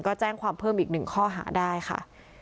ก็แจ้งความเพิ่มอีกหนึ่งข้อหาได้ค่ะ